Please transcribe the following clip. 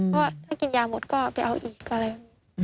เพราะถ้ากินยาหมดก็ไปเอาอีกอะไร